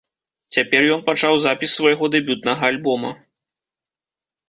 Цяпер ён пачаў запіс свайго дэбютнага альбома.